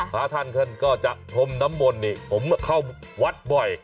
พระท่านท่านก็จะพรมน้ำมนต์นี่ผมเข้าวัดบ่อย